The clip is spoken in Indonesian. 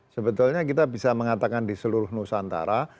sebetulnya kita bisa mengatakan di seluruh nusantara